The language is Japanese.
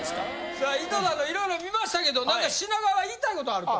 さあ井戸田の色々見ましたけど何か品川言いたいことあると。